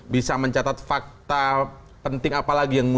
bisa mencatat fakta penting apa lagi